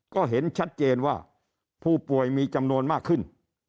ก็เห็นชัดเจนว่าผู้ป่วยมีจำนวนมากขึ้น